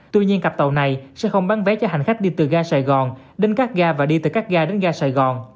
tuy nhiên cặp tàu này sẽ không bán vé cho hành khách đi từ ga sài gòn đến các ga và đi từ các ga đến ga sài gòn